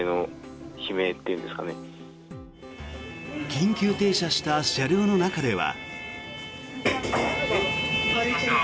緊急停車した車両の中では。